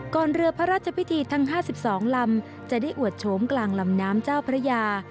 เรือพระราชพิธีทั้ง๕๒ลำจะได้อวดโฉมกลางลำน้ำเจ้าพระยา